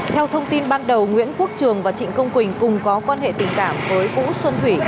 theo thông tin ban đầu nguyễn quốc trường và trịnh công quỳnh cùng có quan hệ tình cảm với vũ xuân thủy